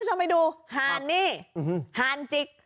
ก็ชอบไปดูฮานี่ฮานจิก